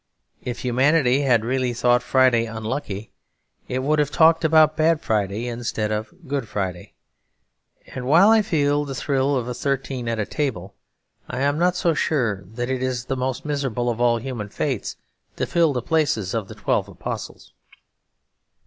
If humanity had really thought Friday unlucky it would have talked about bad Friday instead of good Friday. And while I feel the thrill of thirteen at a table, I am not so sure that it is the most miserable of all human fates to fill the places of the Twelve Apostles.